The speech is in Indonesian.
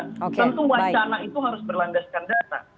tentu wacana itu harus berlandaskan data